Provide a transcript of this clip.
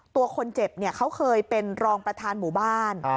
ตัวคนเจ็บเขาเคยเป็นรองประธานหมู่บ้าน